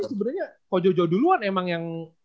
sebenernya ko jojo duluan emang yang